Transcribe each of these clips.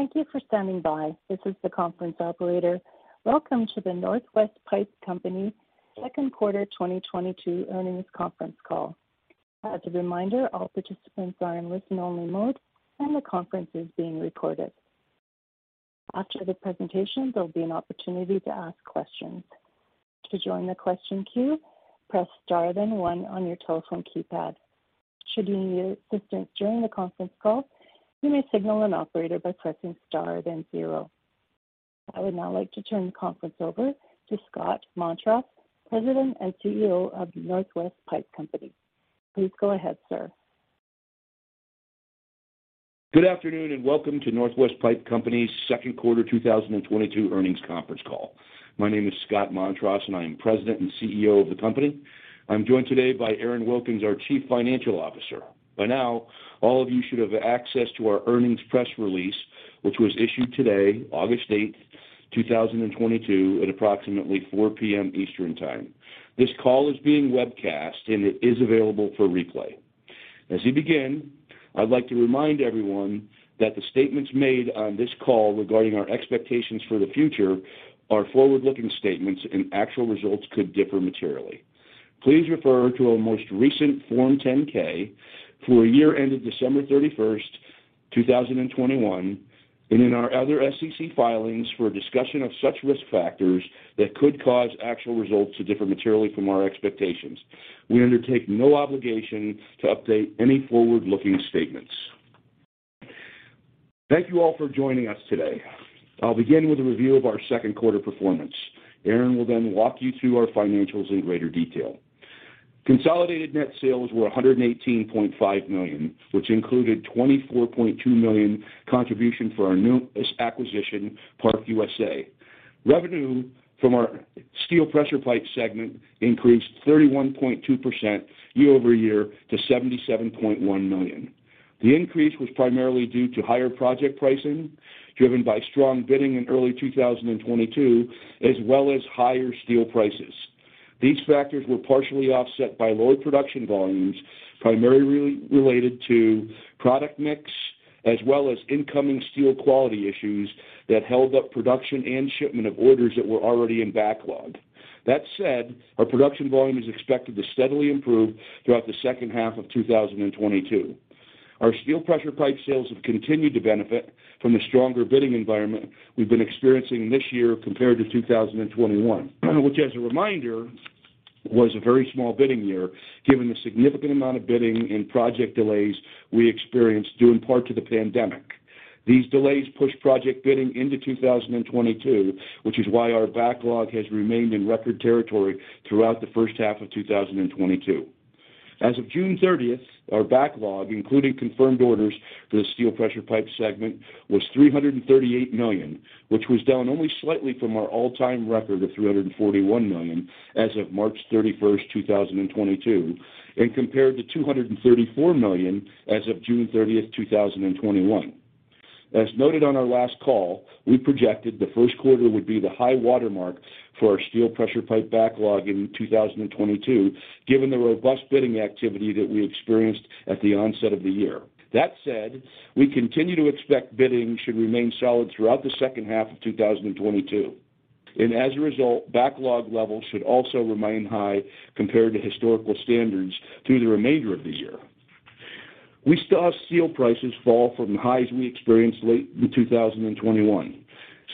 Thank you for standing by. This is the conference operator. Welcome to the Northwest Pipe Company second quarter 2022 earnings conference call. As a reminder, all participants are in listen-only mode, and the conference is being recorded. After the presentation, there'll be an opportunity to ask questions. To join the question queue, press star then one on your telephone keypad. Should you need assistance during the conference call, you may signal an operator by pressing star then zero. I would now like to turn the conference over to Scott Montross, President and CEO of Northwest Pipe Company. Please go ahead, sir. Good afternoon and welcome to Northwest Pipe Company's second quarter 2022 earnings conference call. My name is Scott Montross and I am President and CEO of the company. I'm joined today by Aaron Wilkins, our Chief Financial Officer. By now, all of you should have access to our earnings press release, which was issued today, August 8th, 2022, at approximately 4 P.M. Eastern time. This call is being webcast and it is available for replay. As we begin, I'd like to remind everyone that the statements made on this call regarding our expectations for the future are forward-looking statements and actual results could differ materially. Please refer to our most recent Form 10-K for a year ended December 31st, 2021, and in our other SEC filings for a discussion of such risk factors that could cause actual results to differ materially from our expectations. We undertake no obligation to update any forward-looking statements. Thank you all for joining us today. I'll begin with a review of our second quarter performance. Aaron will then walk you through our financials in greater detail. Consolidated net sales were $118.5 million, which included $24.2 million contribution for our newest acquisition, ParkUSA. Revenue from our Steel Pressure Pipe segment increased 31.2% year-over-year to $77.1 million. The increase was primarily due to higher project pricing, driven by strong bidding in early 2022, as well as higher steel prices. These factors were partially offset by lower production volumes, primarily related to product mix as well as incoming steel quality issues that held up production and shipment of orders that were already in backlog. That said, our production volume is expected to steadily improve throughout the second half of 2022. Our Steel Pressure Pipe sales have continued to benefit from the stronger bidding environment we've been experiencing this year compared to 2021, which as a reminder, was a very small bidding year given the significant amount of bidding and project delays we experienced due in part to the pandemic. These delays pushed project bidding into 2022, which is why our backlog has remained in record territory throughout the first half of 2022. As of June 30th, our backlog, including confirmed orders for the Steel Pressure Pipe segment, was $338 million, which was down only slightly from our all-time record of $341 million as of March 31st, 2022, and compared to $234 million as of June 30th, 2021. As noted on our last call, we projected the first quarter would be the high watermark for our Steel Pressure Pipe backlog in 2022, given the robust bidding activity that we experienced at the onset of the year. That said, we continue to expect bidding should remain solid throughout the second half of 2022. As a result, backlog levels should also remain high compared to historical standards through the remainder of the year. We saw steel prices fall from highs we experienced late in 2021.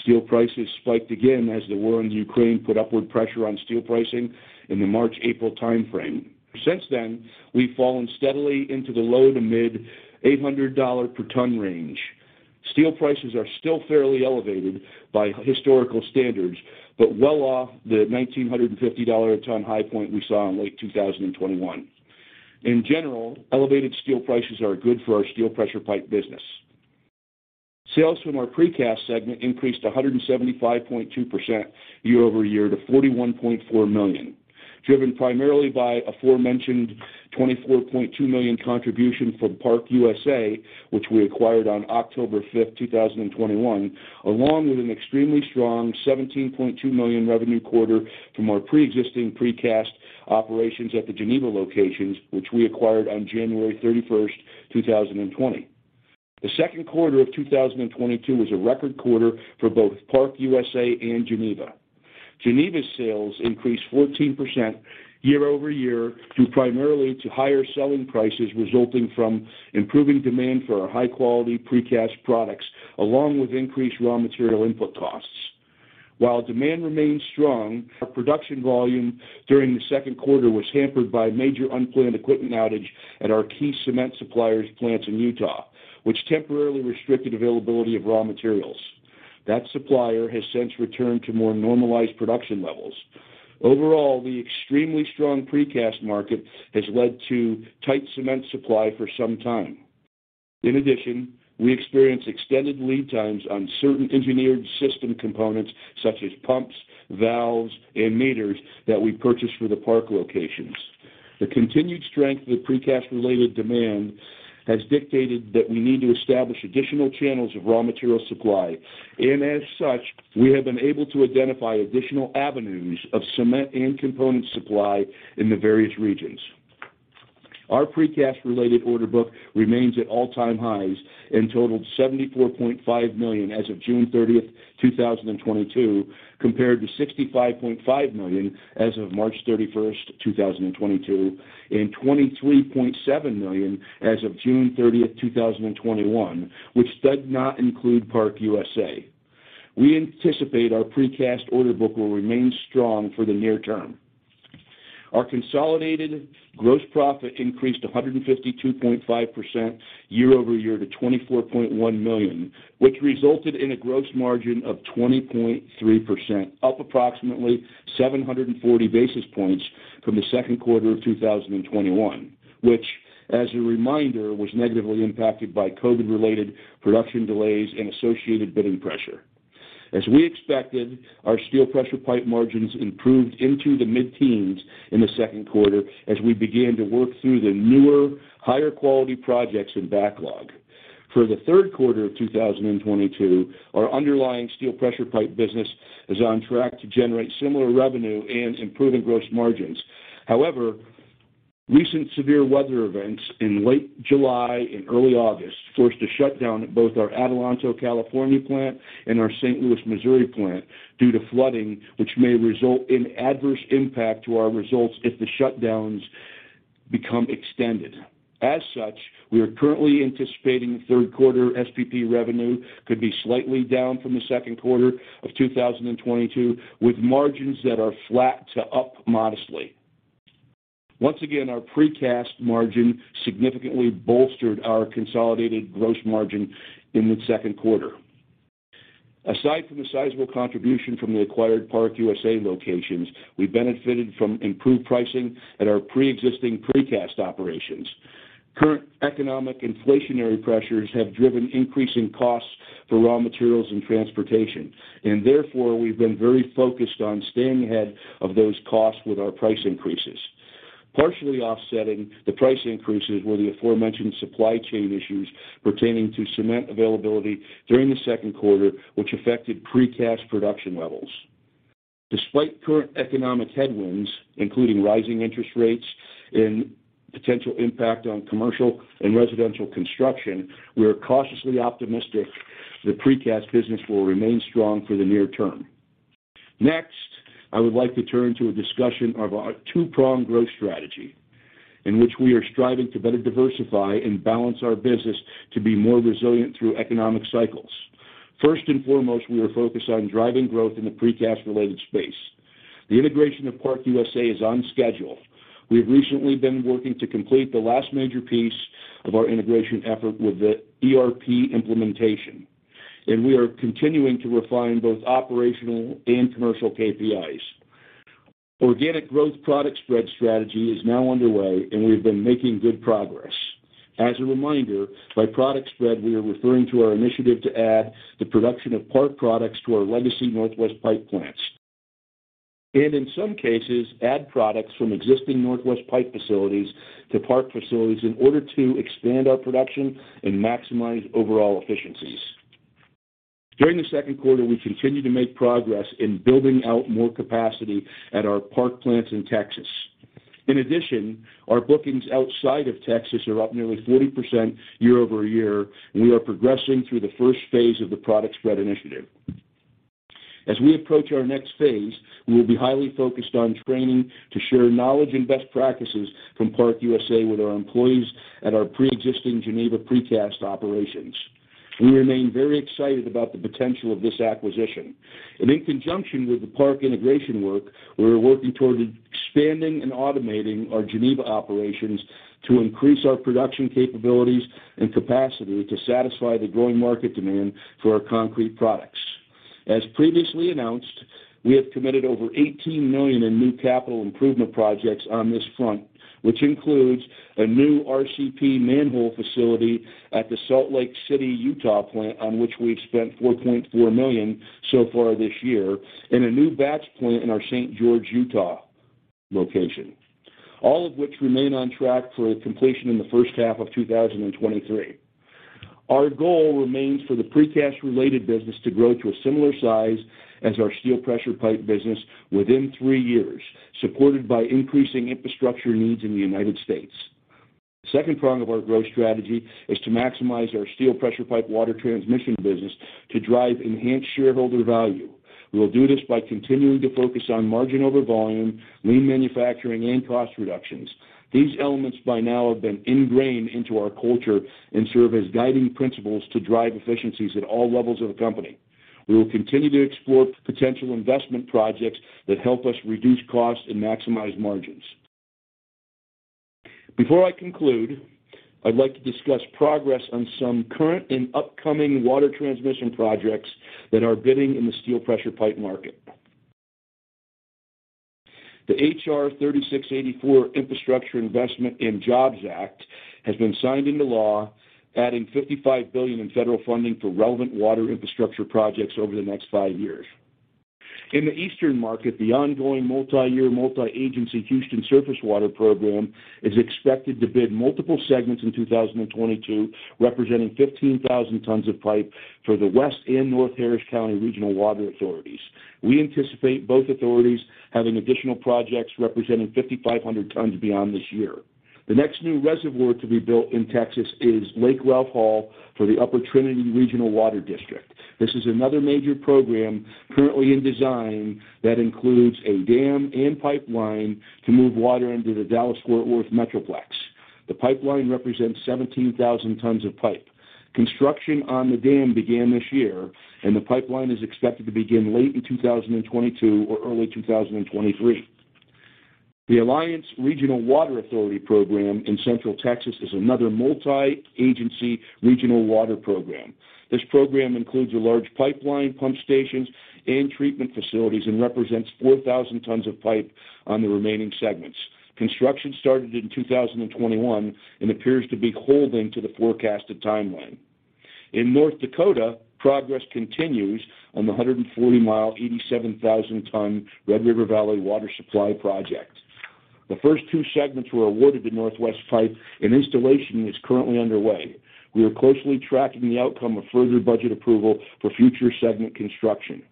Steel prices spiked again as the war in Ukraine put upward pressure on steel pricing in the March-April timeframe. Since then, we've fallen steadily into the low- to mid-$800 per ton range. Steel prices are still fairly elevated by historical standards, but well off the $1,950 a ton high point we saw in late 2021. In general, elevated steel prices are good for our Steel Pressure Pipe business. Sales from our Precast segment increased 175.2% year-over-year to $41.4 million, driven primarily by aforementioned $24.2 million contribution from ParkUSA, which we acquired on October 5th, 2021, along with an extremely strong $17.2 million revenue quarter from our preexisting Precast operations at the Geneva locations which we acquired on January 31st, 2020. The second quarter of 2022 was a record quarter for both ParkUSA and Geneva. Geneva sales increased 14% year-over-year due primarily to higher selling prices resulting from improving demand for our high-quality Precast products, along with increased raw material input costs. While demand remains strong, our production volume during the second quarter was hampered by a major unplanned equipment outage at our key cement supplier's plants in Utah, which temporarily restricted availability of raw materials. That supplier has since returned to more normalized production levels. Overall, the extremely strong Precast market has led to tight cement supply for some time. In addition, we experienced extended lead times on certain engineered system components such as pumps, valves, and meters that we purchased for the ParkUSA locations. The continued strength of Precast-related demand has dictated that we need to establish additional channels of raw material supply. As such, we have been able to identify additional avenues of cement and component supply in the various regions. Our Precast related order book remains at all time highs and totaled $74.5 million as of June 30th, 2022, compared to $65.5 million as of March 31st, 2022, and $23.7 million as of June 30th, 2021, which does not include ParkUSA. We anticipate our Precast order book will remain strong for the near term. Our consolidated gross profit increased 152.5% year-over-year to $24.1 million, which resulted in a gross margin of 20.3%, up approximately 740 basis points from the second quarter of 2021, which as a reminder, was negatively impacted by COVID related production delays and associated bidding pressure. As we expected, our Steel Pressure Pipe margins improved into the mid-teens in the second quarter as we began to work through the newer, higher quality projects in backlog. For the third quarter of 2022, our underlying Steel Pressure Pipe business is on track to generate similar revenue and improving gross margins. However, recent severe weather events in late July and early August forced a shutdown at both our Adelanto, California plant and our St. Louis, Missouri plant due to flooding, which may result in adverse impact to our results if the shutdowns become extended. As such, we are currently anticipating third quarter SPP revenue could be slightly down from the second quarter of 2022, with margins that are flat to up modestly. Once again, our Precast margin significantly bolstered our consolidated gross margin in the second quarter. Aside from the sizable contribution from the acquired ParkUSA locations, we benefited from improved pricing at our preexisting Precast operations. Current economic inflationary pressures have driven increasing costs for raw materials and transportation, and therefore, we've been very focused on staying ahead of those costs with our price increases. Partially offsetting the price increases were the aforementioned supply chain issues pertaining to cement availability during the second quarter, which affected Precast production levels. Despite current economic headwinds, including rising interest rates and potential impact on commercial and residential construction, we are cautiously optimistic the Precast business will remain strong for the near term. Next, I would like to turn to a discussion of our two-pronged growth strategy in which we are striving to better diversify and balance our business to be more resilient through economic cycles. First and foremost, we are focused on driving growth in the Precast related space. The integration of ParkUSA is on schedule. We have recently been working to complete the last major piece of our integration effort with the ERP implementation, and we are continuing to refine both operational and commercial KPIs. Organic growth product spread strategy is now underway and we have been making good progress. As a reminder, by product spread, we are referring to our initiative to add the production of ParkUSA products to our legacy Northwest Pipe plants, and in some cases, add products from existing Northwest Pipe facilities to ParkUSA facilities in order to expand our production and maximize overall efficiencies. During the second quarter, we continued to make progress in building out more capacity at our ParkUSA plants in Texas. In addition, our bookings outside of Texas are up nearly 40% year-over-year, and we are progressing through the first phase of the product spread initiative. As we approach our next phase, we will be highly focused on training to share knowledge and best practices from ParkUSA with our employees at our preexisting Geneva Precast operations. We remain very excited about the potential of this acquisition. In conjunction with the Park integration work, we are working toward expanding and automating our Geneva operations to increase our production capabilities and capacity to satisfy the growing market demand for our concrete products. As previously announced, we have committed over $18 million in new capital improvement projects on this front, which includes a new RCP manhole facility at the Salt Lake City, Utah plant, on which we've spent $4.4 million so far this year, and a new batch plant in our St. George, Utah location, all of which remain on track for completion in the first half of 2023. Our goal remains for the Precast related business to grow to a similar size as our Steel Pressure Pipe business within three years, supported by increasing infrastructure needs in the United States. Second prong of our growth strategy is to maximize our steel pressure pipe water transmission business to drive enhanced shareholder value. We will do this by continuing to focus on margin over volume, lean manufacturing and cost reductions. These elements by now have been ingrained into our culture and serve as guiding principles to drive efficiencies at all levels of the company. We will continue to explore potential investment projects that help us reduce costs and maximize margins. Before I conclude, I'd like to discuss progress on some current and upcoming water transmission projects that are bidding in the Steel Pressure Pipe market. The H.R. 3684 Infrastructure Investment and Jobs Act has been signed into law, adding $55 billion in federal funding for relevant water infrastructure projects over the next five years. In the eastern market, the ongoing multi-year, multi-agency Houston surface water program is expected to bid multiple segments in 2022, representing 15,000 tons of pipe for the West and North Harris County Regional Water Authorities. We anticipate both authorities having additional projects representing 5,500 tons beyond this year. The next new reservoir to be built in Texas is Lake Ralph Hall for the Upper Trinity Regional Water District. This is another major program currently in design that includes a dam and pipeline to move water into the Dallas-Fort Worth Metroplex. The pipeline represents 17,000 tons of pipe. Construction on the dam began this year, and the pipeline is expected to begin late in 2022 or early 2023. The Alliance Regional Water Authority program in Central Texas is another multi-agency regional water program. This program includes a large pipeline, pump stations, and treatment facilities and represents 4,000 tons of pipe on the remaining segments. Construction started in 2021 and appears to be holding to the forecasted timeline. In North Dakota, progress continues on the 140 mi, 87,000 ton Red River Valley Water Supply Project. The first two segments were awarded to Northwest Pipe, and installation is currently underway. We are closely tracking the outcome of further budget approval for future segment construction.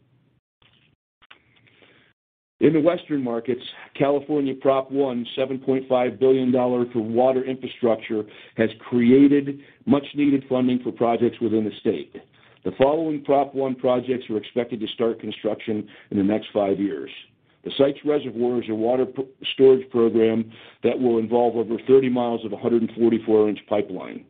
In the Western markets, California Prop One, $7.5 billion for water infrastructure, has created much-needed funding for projects within the state. The following Prop One projects are expected to start construction in the next five years. The Sites Reservoir is a water storage program that will involve over 30 mi of a 144 in pipeline.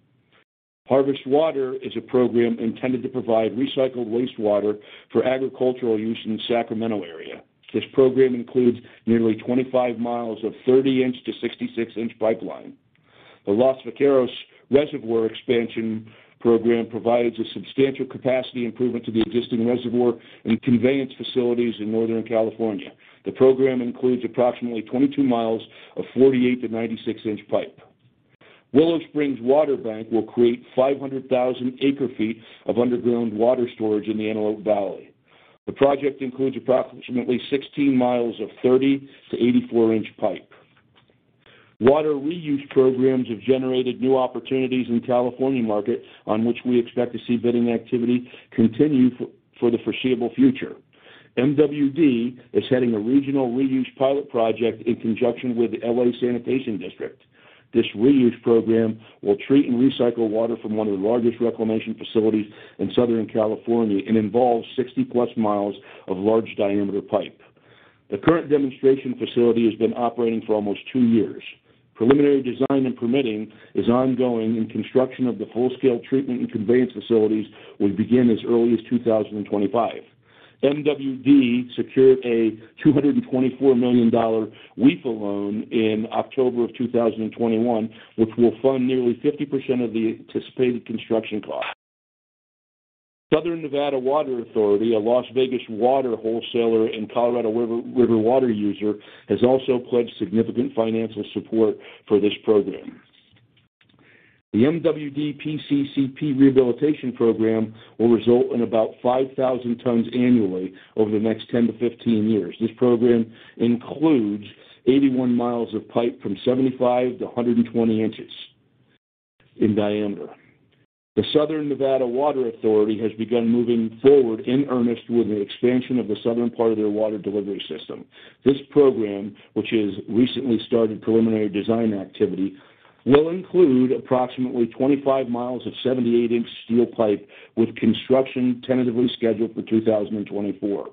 Harvest Water is a program intended to provide recycled wastewater for agricultural use in the Sacramento area. This program includes nearly 25 miles of 30 in-66 in pipeline. The Los Vaqueros Reservoir Expansion program provides a substantial capacity improvement to the existing reservoir and conveyance facilities in Northern California. The program includes approximately 22 mi of 48 in-96-in pipe. Willow Springs Water Bank will create 500,000 acre feet of underground water storage in the Antelope Valley. The project includes approximately 16 mi of 30 in-84 in pipe. Water reuse programs have generated new opportunities in California market on which we expect to see bidding activity continue for the foreseeable future. MWD is heading a regional reuse pilot project in conjunction with the L.A. Sanitation Districts. This reuse program will treat and recycle water from one of the largest reclamation facilities in Southern California and involves 60+ mi of large diameter pipe. The current demonstration facility has been operating for almost two years. Preliminary design and permitting is ongoing, and construction of the full-scale treatment and conveyance facilities will begin as early as 2025. MWD secured a $224 million WIFIA loan in October 2021, which will fund nearly 50% of the anticipated construction cost. Southern Nevada Water Authority, a Las Vegas water wholesaler and Colorado River water user, has also pledged significant financial support for this program. The MWD PCCP rehabilitation program will result in about 5,000 tons annually over the next 10 to 15 years. This program includes 81 mi of pipe from 75 in-120 in in diameter. The Southern Nevada Water Authority has begun moving forward in earnest with an expansion of the southern part of their water delivery system. This program, which has recently started preliminary design activity, will include approximately 25 mi of 78 in steel pipe with construction tentatively scheduled for 2024.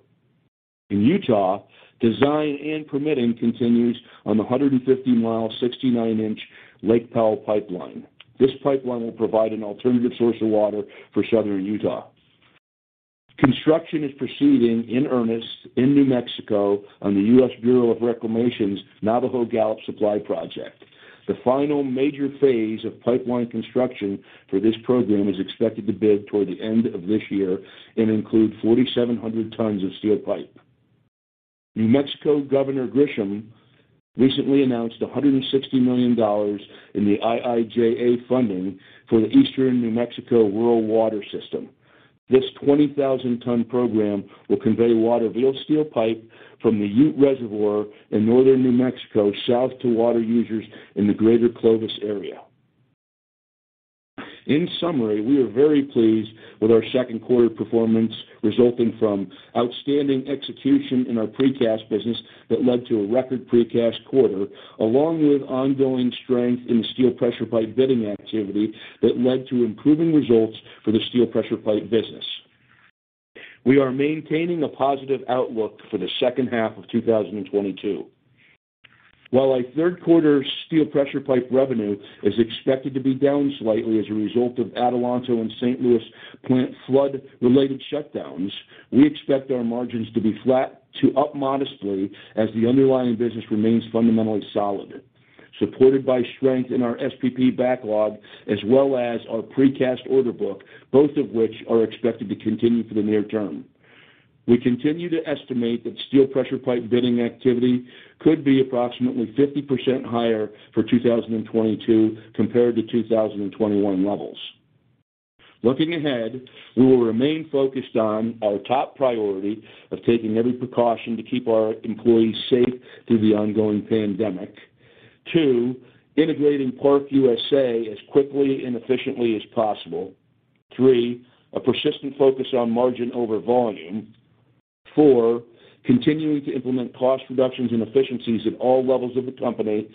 In Utah, design and permitting continues on the 150 mi, 69 in Lake Powell Pipeline. This pipeline will provide an alternative source of water for southern Utah. Construction is proceeding in earnest in New Mexico on the U.S. Bureau of Reclamation's Navajo-Gallup Water Supply Project. The final major phase of pipeline construction for this program is expected to bid toward the end of this year and include 4,700 tons of steel pipe. New Mexico Governor Grisham recently announced $160 million in the IIJA funding for the Eastern New Mexico Rural Water System. This 20,000-ton program will convey water via steel pipe from the Ute Reservoir in northern New Mexico south to water users in the greater Clovis area. In summary, we are very pleased with our second quarter performance resulting from outstanding execution in our Precast business that led to a record Precast quarter, along with ongoing strength in Steel Pressure Pipe bidding activity that led to improving results for the Steel Pressure Pipe business. We are maintaining a positive outlook for the second half of 2022. While our third quarter Steel Pressure Pipe revenue is expected to be down slightly as a result of Adelanto and St. Louis plant flood-related shutdowns, we expect our margins to be flat to up modestly as the underlying business remains fundamentally solid, supported by strength in our SPP backlog as well as our Precast order book, both of which are expected to continue for the near term. We continue to estimate that Steel Pressure Pipe bidding activity could be approximately 50% higher for 2022 compared to 2021 levels. Looking ahead, we will remain focused on our top priority of taking every precaution to keep our employees safe through the ongoing pandemic. Two, integrating ParkUSA as quickly and efficiently as possible. Three, a persistent focus on margin over volume. Four, continuing to implement cost reductions and efficiencies at all levels of the company.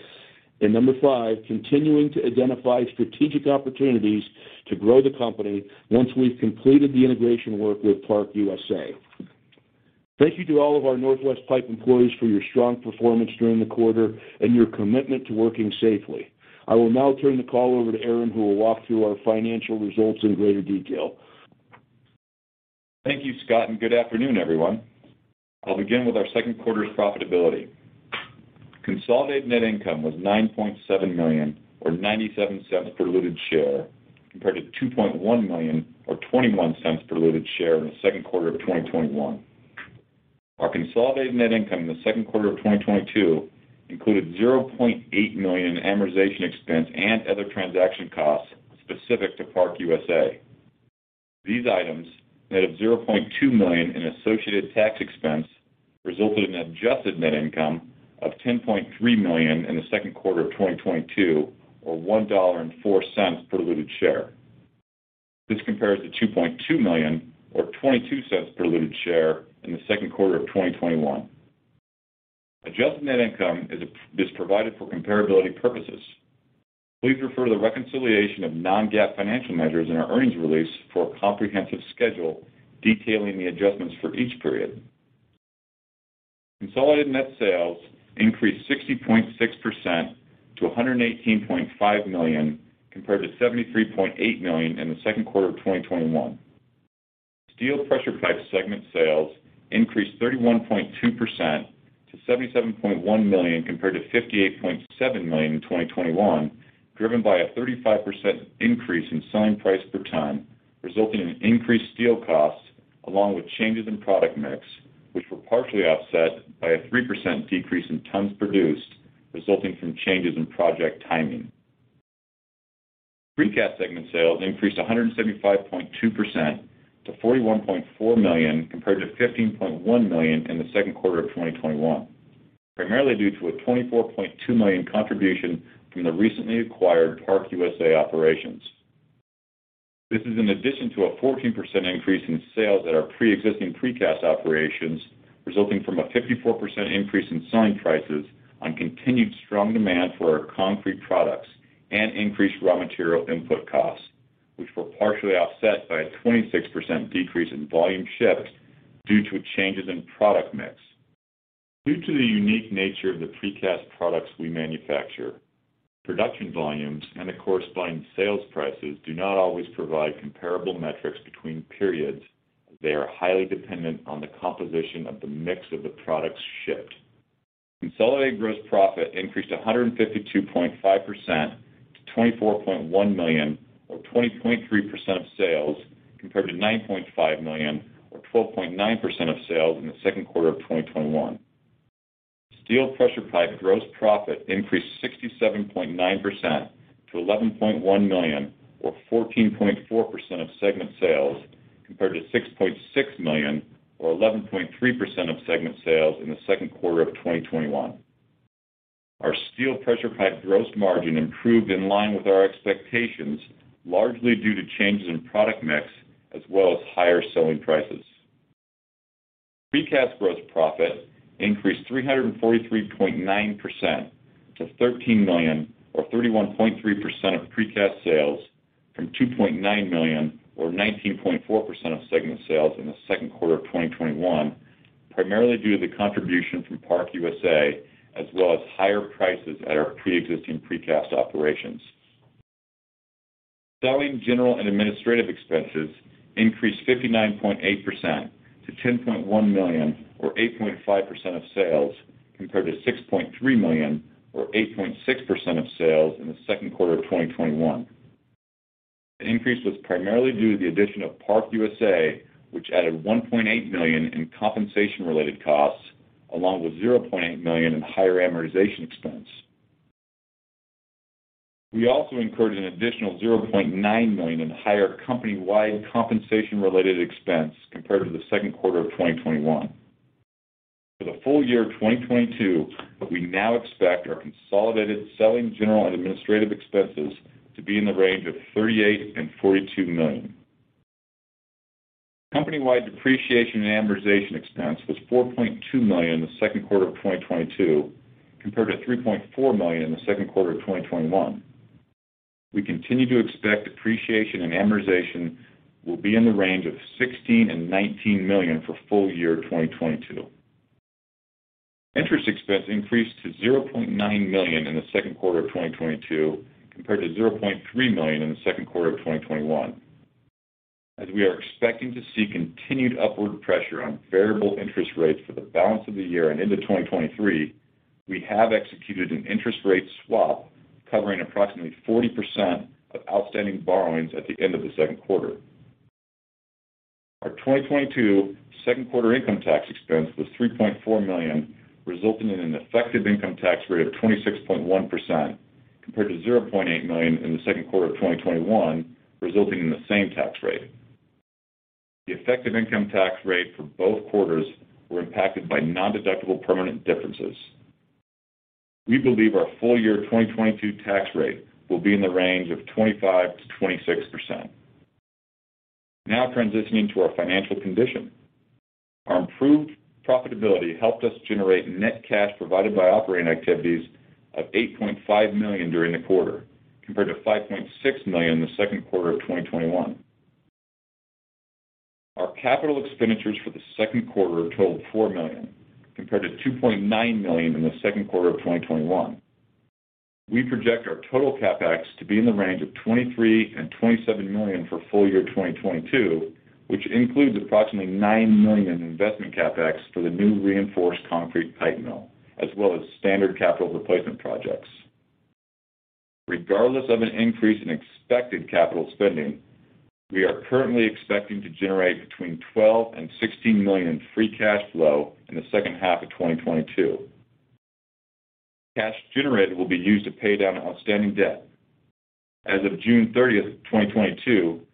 Number five, continuing to identify strategic opportunities to grow the company once we've completed the integration work with ParkUSA. Thank you to all of our Northwest Pipe employees for your strong performance during the quarter and your commitment to working safely. I will now turn the call over to Aaron, who will walk through our financial results in greater detail. Thank you, Scott, and good afternoon, everyone. I'll begin with our second quarter's profitability. Consolidated net income was $9.7 million or $0.97 per diluted share, compared to $2.1 million or $0.21 per diluted share in the second quarter of 2021. Our consolidated net income in the second quarter of 2022 included $0.8 million in amortization expense and other transaction costs specific to ParkUSA. These items, net of $0.2 million in associated tax expense, resulted in adjusted net income of $10.3 million in the second quarter of 2022, or $1.04 per diluted share. This compares to $2.2 million or $0.22 per diluted share in the second quarter of 2021. Adjusted net income is provided for comparability purposes. Please refer to the reconciliation of non-GAAP financial measures in our earnings release for a comprehensive schedule detailing the adjustments for each period. Consolidated net sales increased 60.6% to $118.5 million, compared to $73.8 million in the second quarter of 2021. Steel Pressure Pipe segment sales increased 31.2% to $77.1 million compared to $58.7 million in 2021, driven by a 35% increase in selling price per ton, resulting in increased steel costs along with changes in product mix, which were partially offset by a 3% decrease in tons produced, resulting from changes in project timing. Precast segment sales increased 175.2% to $41.4 million compared to $15.1 million in the second quarter of 2021, primarily due to a $24.2 million contribution from the recently acquired ParkUSA operations. This is in addition to a 14% increase in sales at our pre-existing Precast operations, resulting from a 54% increase in selling prices on continued strong demand for our concrete products and increased raw material input costs, which were partially offset by a 26% decrease in volume shipped due to changes in product mix. Due to the unique nature of the Precast products we manufacture, production volumes and the corresponding sales prices do not always provide comparable metrics between periods, as they are highly dependent on the composition of the mix of the products shipped. Consolidated gross profit increased 152.5% to $24.1 million or 20.3% of sales, compared to $9.5 million or 12.9% of sales in the second quarter of 2021. Steel Pressure Pipe gross profit increased 67.9% to $11.1 million or 14.4% of segment sales, compared to $6.6 million or 11.3% of segment sales in the second quarter of 2021. Our Steel Pressure Pipe gross margin improved in line with our expectations, largely due to changes in product mix as well as higher selling prices. Precast gross profit increased 343.9% to $13 million or 31.3% of Precast sales from $2.9 million or 19.4% of segment sales in the second quarter of 2021, primarily due to the contribution from ParkUSA as well as higher prices at our pre-existing Precast operations. Selling, general and administrative expenses increased 59.8% to $10.1 million or 8.5% of sales, compared to $6.3 million or 8.6% of sales in the second quarter of 2021. The increase was primarily due to the addition of ParkUSA, which added $1.8 million in compensation-related costs along with $0.8 million in higher amortization expense. We also incurred an additional $0.9 million in higher company-wide compensation related expense compared to the second quarter of 2021. For the full year of 2022, we now expect our consolidated selling, general and administrative expenses to be in the range of $38 million-$42 million. Company-wide depreciation and amortization expense was $4.2 million in the second quarter of 2022, compared to $3.4 million in the second quarter of 2021. We continue to expect depreciation and amortization will be in the range of $16 million-$19 million for full year 2022. Interest expense increased to $0.9 million in the second quarter of 2022, compared to $0.3 million in the second quarter of 2021. As we are expecting to see continued upward pressure on variable interest rates for the balance of the year and into 2023, we have executed an interest rate swap covering approximately 40% of outstanding borrowings at the end of the second quarter. Our 2022 second quarter income tax expense was $3.4 million, resulting in an effective income tax rate of 26.1% compared to $0.8 million in the second quarter of 2021, resulting in the same tax rate. The effective income tax rate for both quarters were impacted by nondeductible permanent differences. We believe our full year 2022 tax rate will be in the range of 25%-26%. Now transitioning to our financial condition. Our improved profitability helped us generate net cash provided by operating activities of $8.5 million during the quarter, compared to $5.6 million in the second quarter of 2021. Our capital expenditures for the second quarter totaled $4 million, compared to $2.9 million in the second quarter of 2021. We project our total CapEx to be in the range of $23-$27 million for full year 2022, which includes approximately $9 million in investment CapEx for the new reinforced concrete pipe mill, as well as standard capital replacement projects. Regardless of an increase in expected capital spending, we are currently expecting to generate between $12 million and $16 million free cash flow in the second half of 2022. Cash generated will be used to pay down outstanding debt. As of June 30th, 2022,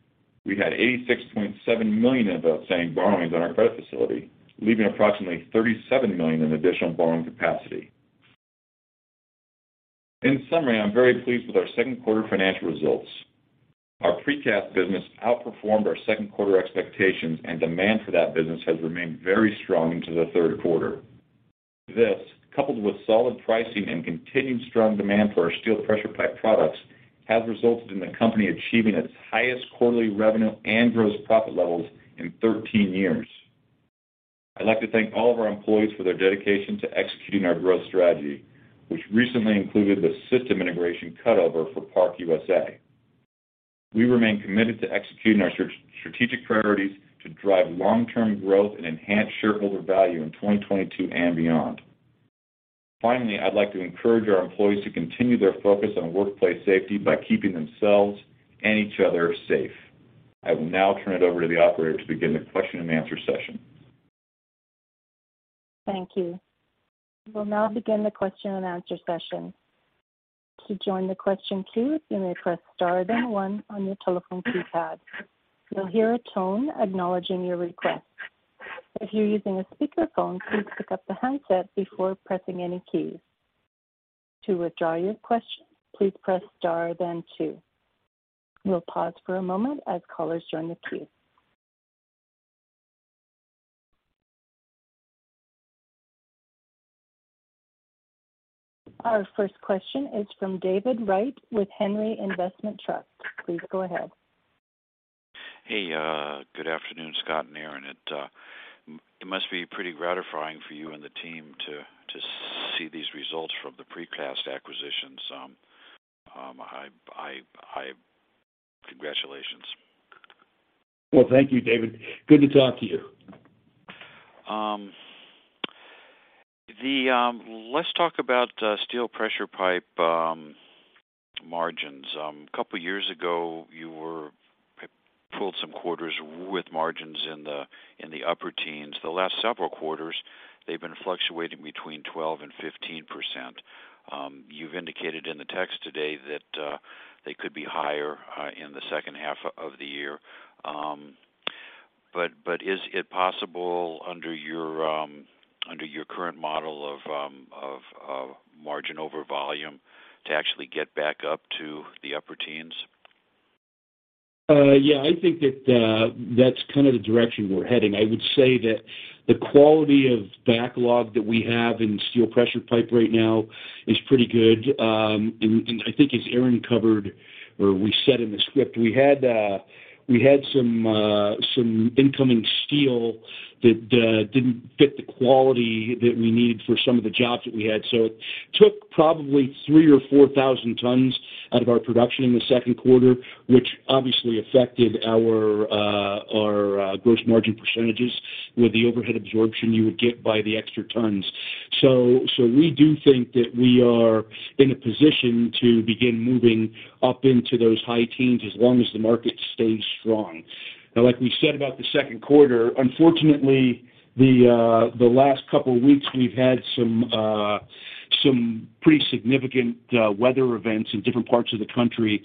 we had $86.7 million in outstanding borrowings on our credit facility, leaving approximately $37 million in additional borrowing capacity. In summary, I'm very pleased with our second quarter financial results. Our Precast business outperformed our second quarter expectations, and demand for that business has remained very strong into the third quarter. This, coupled with solid pricing and continued strong demand for our Steel Pressure Pipe products, has resulted in the company achieving its highest quarterly revenue and gross profit levels in 13 years. I'd like to thank all of our employees for their dedication to executing our growth strategy, which recently included the system integration cutover for ParkUSA. We remain committed to executing our strategic priorities to drive long-term growth and enhance shareholder value in 2022 and beyond. Finally, I'd like to encourage our employees to continue their focus on workplace safety by keeping themselves and each other safe. I will now turn it over to the operator to begin the question and answer session. Thank you. We'll now begin the question and answer session. To join the question queue, you may press star then one on your telephone keypad. You'll hear a tone acknowledging your request. If you're using a speakerphone, please pick up the handset before pressing any keys. To withdraw your question, please press star then two. We'll pause for a moment as callers join the queue. Our first question is from David W. Wright with Henry Investment Trust. Please go ahead. Hey, good afternoon, Scott and Aaron. It must be pretty gratifying for you and the team to see these results from the Precast acquisition. Congratulations. Well, thank you, David. Good to talk to you. Let's talk about Steel Pressure Pipe margins. A couple years ago, you pulled some quarters with margins in the upper teens. The last several quarters, they've been fluctuating between 12%-15%. You've indicated in the text today that they could be higher in the second half of the year. Is it possible under your current model of margin over volume to actually get back up to the upper teens? Yeah. I think that that's kind of the direction we're heading. I would say that the quality of backlog that we have in Steel Pressure Pipe right now is pretty good. I think as Aaron covered or we said in the script, we had some incoming steel that didn't fit the quality that we needed for some of the jobs that we had. So it took probably 3,000 or 4,000 tons out of our production in the second quarter, which obviously affected our gross margin percentages with the overhead absorption you would get by the extra tons. So we do think that we are in a position to begin moving up into those high teens as long as the market stays strong. Now, like we said about the second quarter, unfortunately, the last couple weeks we've had some pretty significant weather events in different parts of the country.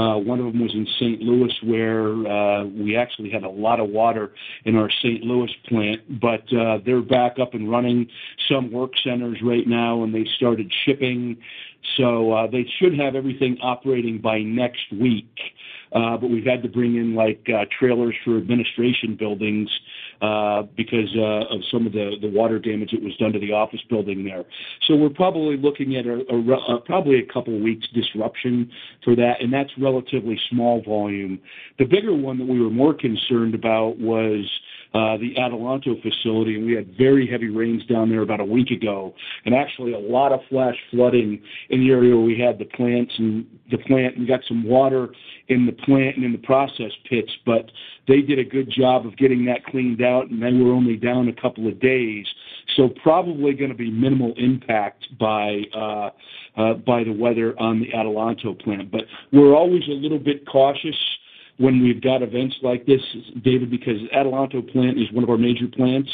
One of them was in St. Louis, where we actually had a lot of water in our St. Louis plant, but they're back up and running some work centers right now, and they started shipping. They should have everything operating by next week. We've had to bring in, like, trailers for administration buildings because of some of the water damage that was done to the office building there. We're probably looking at a couple of weeks disruption for that, and that's relatively small volume. The bigger one that we were more concerned about was the Adelanto facility, and we had very heavy rains down there about a week ago. Actually, a lot of flash flooding in the area where we had the plant, and got some water in the plant and in the process pits. They did a good job of getting that cleaned out, and then we're only down a couple of days. Probably gonna be minimal impact by the weather on the Adelanto plant. We're always a little bit cautious when we've got events like this, David, because Adelanto plant is one of our major plants.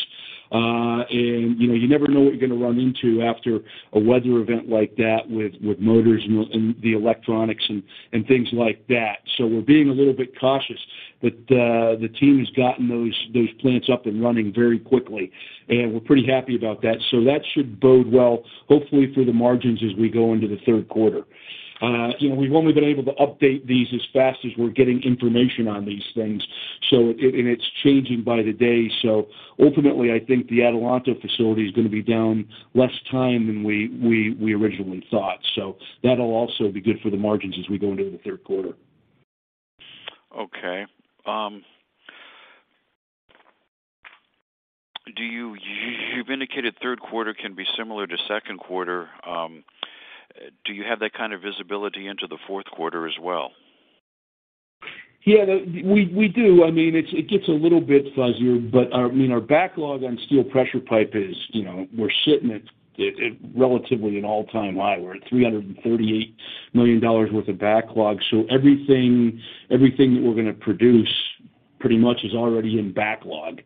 You know, you never know what you're gonna run into after a weather event like that with motors and the electronics and things like that. We're being a little bit cautious, but the team has gotten those plants up and running very quickly, and we're pretty happy about that. That should bode well, hopefully, for the margins as we go into the third quarter. You know, we've only been able to update these as fast as we're getting information on these things. It's changing by the day. Ultimately, I think the Adelanto facility is gonna be down less time than we originally thought. That'll also be good for the margins as we go into the third quarter. Okay. You've indicated third quarter can be similar to second quarter. Do you have that kind of visibility into the fourth quarter as well? Yeah, we do. I mean, it gets a little bit fuzzier, but our, I mean, our backlog on Steel Pressure Pipe is, you know, we're sitting at relatively an all-time high. We're at $338 million worth of backlog. Everything that we're gonna produce pretty much is already in backlog.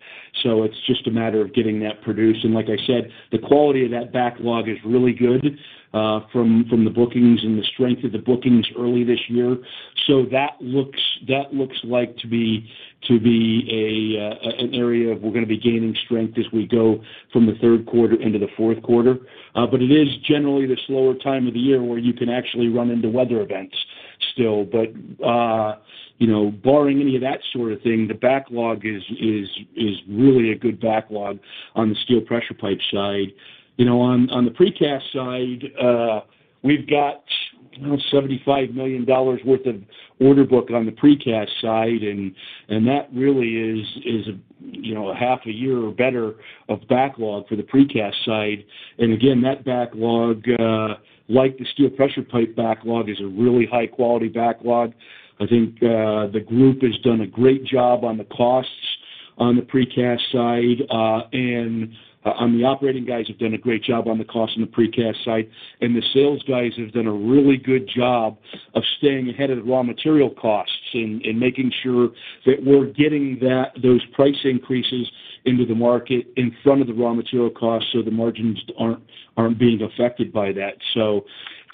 It's just a matter of getting that produced. Like I said, the quality of that backlog is really good, from the bookings and the strength of the bookings early this year. That looks like to be an area we're gonna be gaining strength as we go from the third quarter into the fourth quarter. It is generally the slower time of the year where you can actually run into weather events still. You know, barring any of that sort of thing, the backlog is really a good backlog on the Steel Pressure Pipe side. You know, on the Precast side, we've got $75 million worth of order book on the Precast side, and that really is, you know, a half a year or better of backlog for the Precast side. Again, that backlog, like the Steel Pressure Pipe backlog, is a really high quality backlog. I think the group has done a great job on the costs on the Precast side. On the operating guys have done a great job on the cost on the Precast side. The sales guys have done a really good job of staying ahead of the raw material costs and making sure that we're getting those price increases into the market in front of the raw material costs, so the margins aren't being affected by that.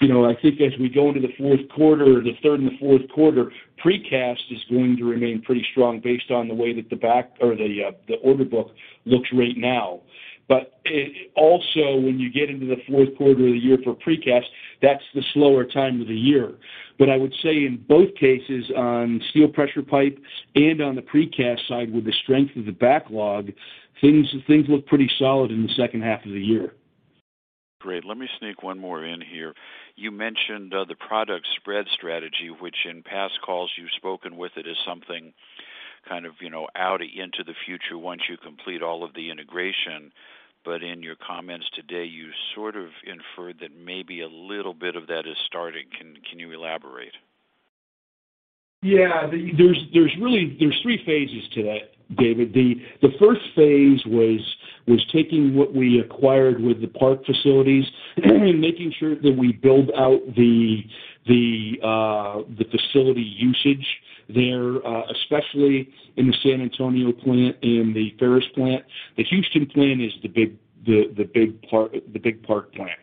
You know, I think as we go into the fourth quarter, the third and the fourth quarter, Precast is going to remain pretty strong based on the way that the order book looks right now. It also, when you get into the fourth quarter of the year for Precast, that's the slower time of the year. I would say in both cases, on Steel Pressure Pipe and on the Precast side, with the strength of the backlog, things look pretty solid in the second half of the year. Great. Let me sneak one more in here. You mentioned the product spread strategy, which in past calls you've spoken with it as something kind of, you know, out into the future once you complete all of the integration. In your comments today, you sort of inferred that maybe a little bit of that is starting. Can you elaborate? Yeah. There's really three phases to that, David. The first phase was taking what we acquired with the Park facilities and making sure that we build out the facility usage there, especially in the San Antonio plant and the Ferris plant. The Houston plant is the big Park plant.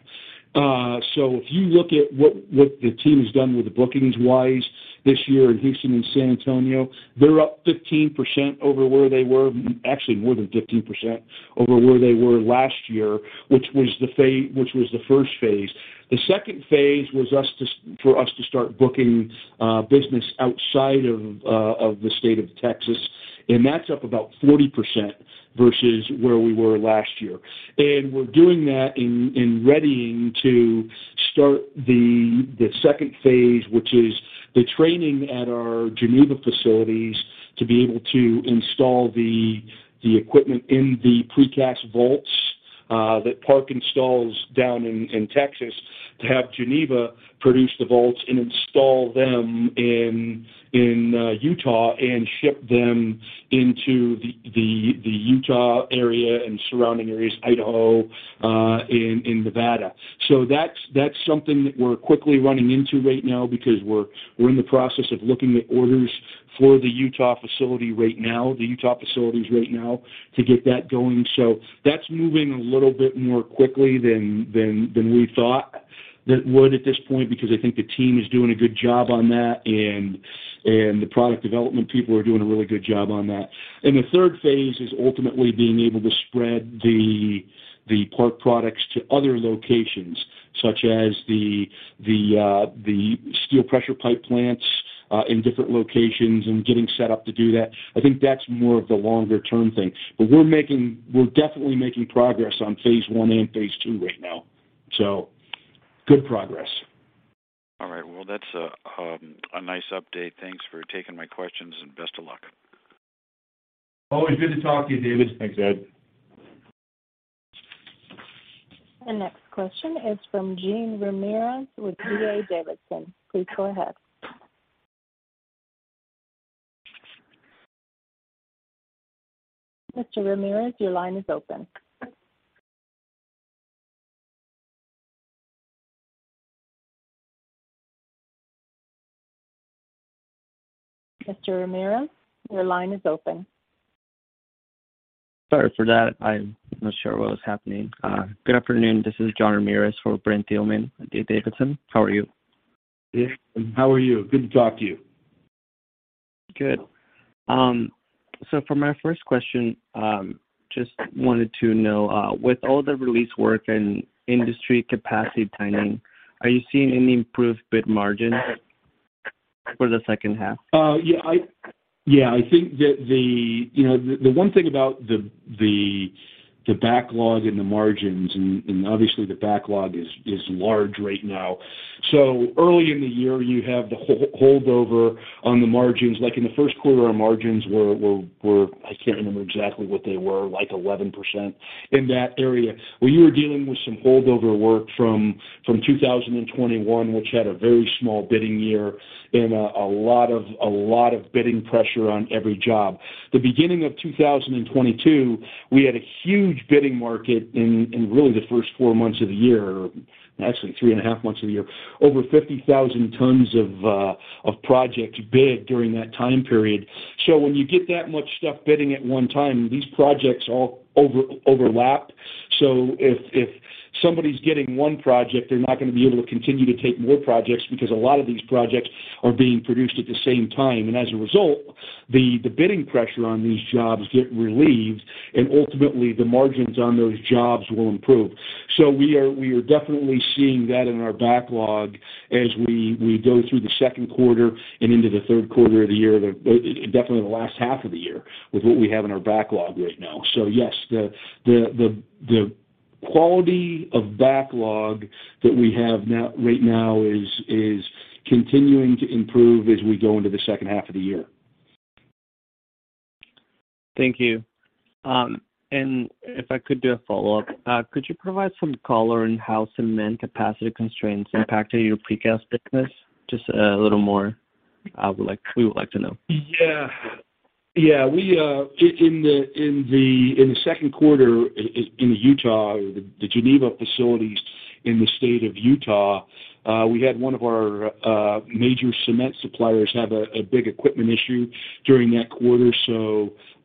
So if you look at what the team has done with the bookings-wise this year in Houston and San Antonio, they're up 15% over where they were. Actually, more than 15% over where they were last year, which was the first phase. The second phase was for us to start booking business outside of the state of Texas, and that's up about 40% versus where we were last year. We're doing that in readying to start the second phase, which is the training at our Geneva facilities to be able to install the equipment in the Precast vaults that Park installs down in Texas, to have Geneva produce the vaults and install them in Utah and ship them into the Utah area and surrounding areas, Idaho, and Nevada. That's something that we're quickly running into right now because we're in the process of looking at orders for the Utah facilities right now to get that going. That's moving a little bit more quickly than we thought that would at this point, because I think the team is doing a good job on that and the product development people are doing a really good job on that. The third phase is ultimately being able to spread the Park products to other locations, such as the Steel Pressure Pipe plants in different locations and getting set up to do that. I think that's more of the longer term thing. We're definitely making progress on phase one and phase two right now. Good progress. All right. Well, that's a nice update. Thanks for taking my questions and best of luck. Always good to talk to you, David. Thanks, David. The next question is from Jean Ramirez with D.A. Davidson. Please go ahead. Mr. Ramirez, your line is open. Sorry for that. I'm not sure what was happening. Good afternoon. This is Jean Ramirez for Brent Thielman at D.A. Davidson. How are you? How are you? Good to talk to you. Good. For my first question, just wanted to know, with all the release work and industry capacity planning, are you seeing any improved bid margins for the second half? Yeah, I think that the one thing about the backlog and the margins, and obviously, the backlog is large right now. Early in the year, you have the holdover on the margins. Like, in the first quarter, our margins were, I can't remember exactly what they were, like 11%, in that area, where you were dealing with some holdover work from 2021, which had a very small bidding year and a lot of bidding pressure on every job. The beginning of 2022, we had a huge bidding market in really the first four months of the year, or actually three and a half months of the year. Over 50,000 tons of projects bid during that time period. When you get that much stuff bidding at one time, these projects all overlap. If somebody's getting one project, they're not gonna be able to continue to take more projects because a lot of these projects are being produced at the same time. As a result, the bidding pressure on these jobs get relieved, and ultimately, the margins on those jobs will improve. We are definitely seeing that in our backlog as we go through the second quarter and into the third quarter of the year, definitely the last half of the year with what we have in our backlog right now. Yes, the quality of backlog that we have now, right now is continuing to improve as we go into the second half of the year. Thank you. If I could do a follow-up. Could you provide some color on how cement capacity constraints impacted your Precast business? Just a little more, we would like to know. Yeah. Yeah, we in the second quarter in Utah, the Geneva facilities in the state of Utah, we had one of our major cement suppliers have a big equipment issue during that quarter.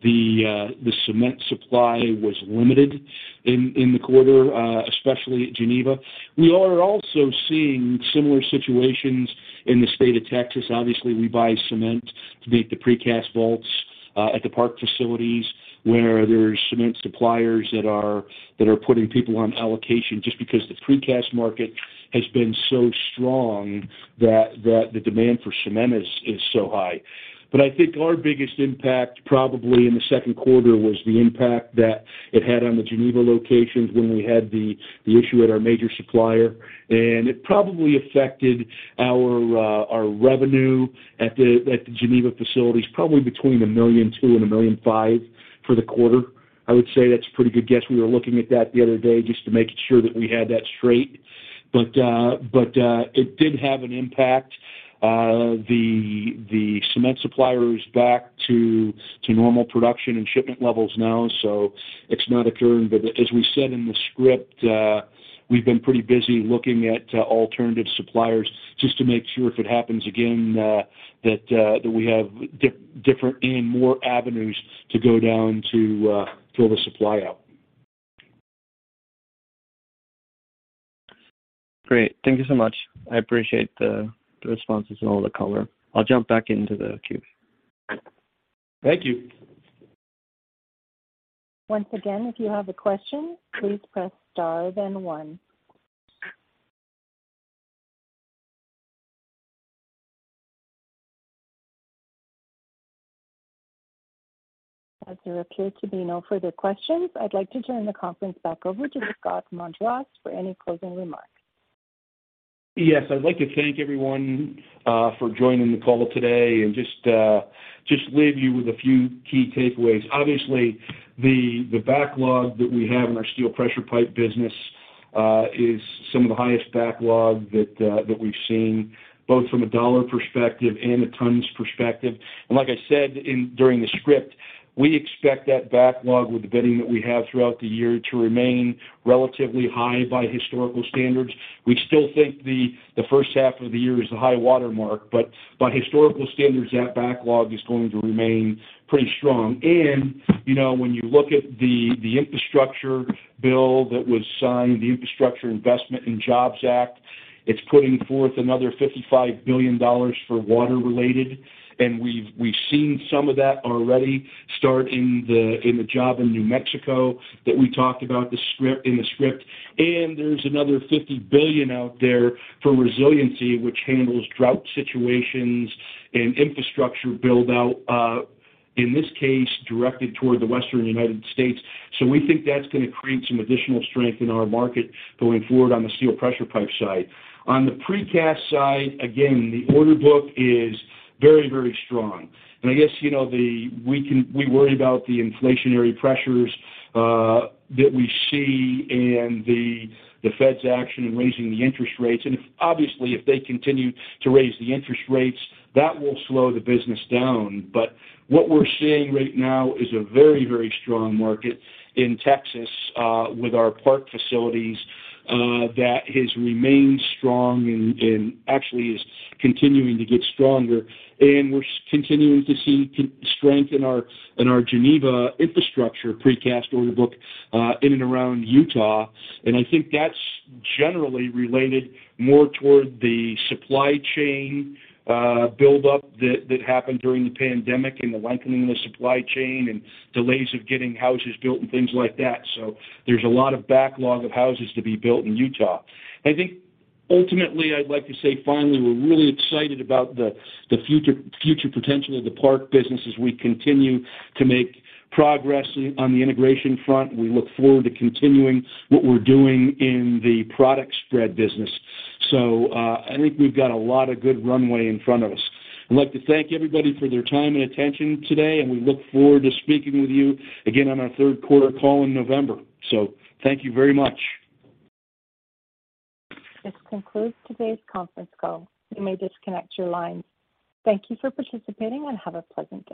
The cement supply was limited in the quarter, especially at Geneva. We are also seeing similar situations in the state of Texas. Obviously, we buy cement to make the Precast vaults at the Park facilities, where there's cement suppliers that are putting people on allocation just because the Precast market has been so strong that the demand for cement is so high. I think our biggest impact probably in the second quarter was the impact that it had on the Geneva locations when we had the issue at our major supplier. It probably affected our revenue at the Geneva facilities, probably between $1.2 million-$1.5 million for the quarter. I would say that's a pretty good guess. We were looking at that the other day just to make sure that we had that straight. It did have an impact. The cement supplier is back to normal production and shipment levels now, so it's not occurring. As we said in the script, we've been pretty busy looking at alternative suppliers just to make sure if it happens again, that we have different and more avenues to go down to fill the supply out. Great. Thank you so much. I appreciate the responses and all the color. I'll jump back into the queue. Thank you. Once again, if you have a question, please press star then one. As there appear to be no further questions, I'd like to turn the conference back over to Scott Montross for any closing remarks. Yes. I'd like to thank everyone for joining the call today and just leave you with a few key takeaways. Obviously, the backlog that we have in our Steel Pressure Pipe business is some of the highest backlog that we've seen, both from a dollar perspective and a tons perspective. Like I said during the script, we expect that backlog with the bidding that we have throughout the year to remain relatively high by historical standards. We still think the first half of the year is the high watermark, but by historical standards, that backlog is going to remain pretty strong. You know, when you look at the infrastructure bill that was signed, the Infrastructure Investment and Jobs Act, it's putting forth another $55 billion for water-related. We've seen some of that already start in the project in New Mexico that we talked about in the [script]. There's another $50 billion out there for resiliency, which handles drought situations and infrastructure build out, in this case, directed toward the Western United States. We think that's gonna create some additional strength in our market going forward on the Steel Pressure Pipe side. On the Precast side, again, the order book is very, very strong. I guess, you know, we worry about the inflationary pressures that we see and the Fed's action in raising the interest rates. Obviously, if they continue to raise the interest rates, that will slow the business down. What we're seeing right now is a very, very strong market in Texas, with our park facilities, that has remained strong and actually is continuing to get stronger. We're continuing to see strength in our Geneva infrastructure Precast order book, in and around Utah. I think that's generally related more toward the supply chain buildup that happened during the pandemic and the lengthening of the supply chain and delays of getting houses built and things like that. There's a lot of backlog of houses to be built in Utah. I think ultimately, I'd like to say finally, we're really excited about the future potential of the park business as we continue to make progress on the integration front. We look forward to continuing what we're doing in the product spread business. I think we've got a lot of good runway in front of us. I'd like to thank everybody for their time and attention today, and we look forward to speaking with you again on our third quarter call in November. Thank you very much. This concludes today's conference call. You may disconnect your lines. Thank you for participating and have a pleasant day.